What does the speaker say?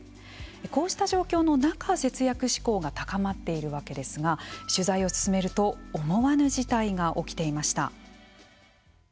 こうした状況の中、節約志向が高まっているわけですが取材を進めると思わぬ事態が起きていました。